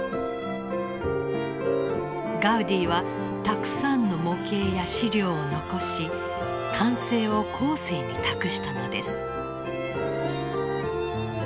ガウディはたくさんの模型や資料を残し完成を後世に託したのです。